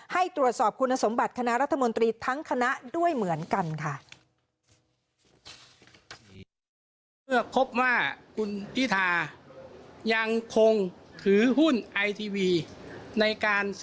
ให้ตรวจสอบคุณสมบัติคณะรัฐมนตรีทั้งคณะด้วยเหมือนกันค่ะ